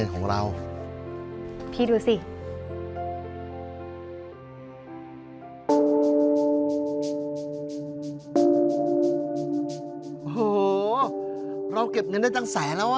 โอ้โหเราเก็บเงินได้ตั้งแสนแล้วอ่ะ